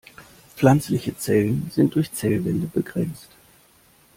Pflanzliche Zellen sind durch Zellwände begrenzt.